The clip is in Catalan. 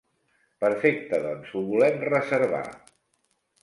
Perfecte doncs ho volem reservar!